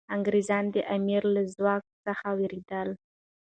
انګریزان د امیر له ځواک څخه ویرېدل.